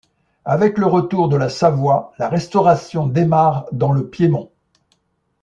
Avec le retour de la Savoie, la Restauration démarre dans le Piémont.